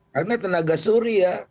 karena tenaga surya